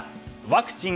ワクチン？